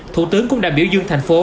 thủ tướng cũng đã biểu dung thành phố